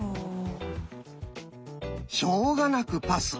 しょうがなくパス。